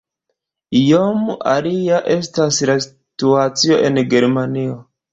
Iom alia estas la situacio en Germanio.